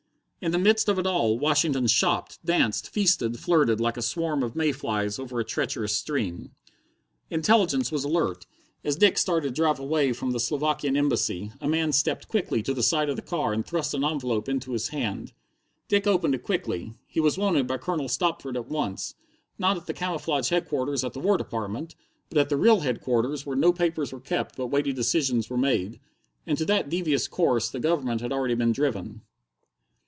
In the midst of it all, Washington shopped, danced, feasted, flirted, like a swarm of may flies over a treacherous stream. Intelligence was alert. As Dick started to drive away from the Slovakian Embassy, a man stepped quickly to the side of the car and thrust an envelope into his hand. Dick opened it quickly. He was wanted by Colonel Stopford at once, not at the camouflaged Headquarters at the War Department, but at the real Headquarters where no papers were kept but weighty decisions were made. And to that devious course the Government had already been driven.